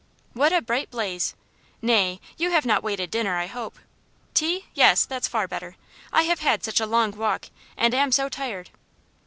"What a bright blaze! Nay, you have not waited dinner, I hope? Tea yes, that's far better; I have had such a long walk, and am so tired."